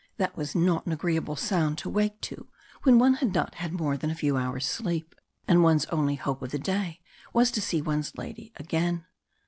That was not an agreeable sound to wake to when one had not had more than a few hours' sleep, and one's only hope of the day was to see one's lady again.